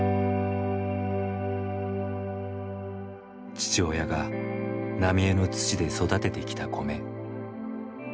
父親が浪江の土で育ててきた米。